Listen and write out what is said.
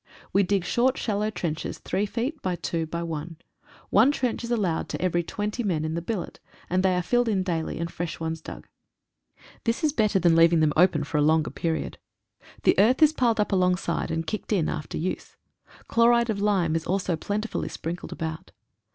We dig short shallow trenches three feet by two by one. One trench is al lowed to every twenty men in the billet, and they are filled in daily, and fresh ones dug. This is better than leaving them open for a longer period. The earth is piled up along side, and kicked in after use. Chloride of lime is also plentifully sprinkled about.